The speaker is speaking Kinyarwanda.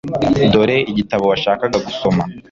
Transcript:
Dore igitabo washakaga gusoma .